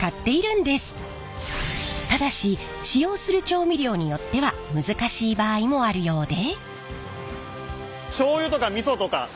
ただし使用する調味料によっては難しい場合もあるようで。